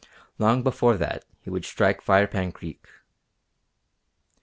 Long before that he would strike Firepan Creek.